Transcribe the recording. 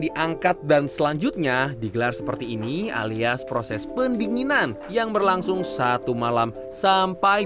diangkat dan selanjutnya digelar seperti ini alias proses pendinginan yang berlangsung satu malam sampai